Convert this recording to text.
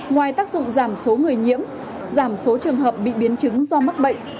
ngoài tác dụng giảm số người nhiễm giảm số trường hợp bị biến chứng do mắc bệnh